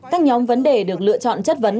các nhóm vấn đề được lựa chọn chất vấn